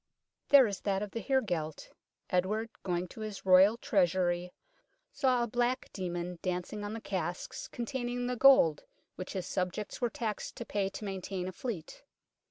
There is that of the heregelt. Edward, going to his Royal Treasury, saw a black demon dancing on the casks containing the gold which his subjects were taxed to pay to maintain a fleet.